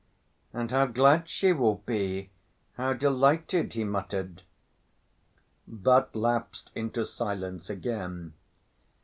"And how glad she will be, how delighted!" he muttered, but lapsed into silence again.